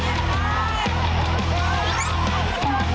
อีกแล้ว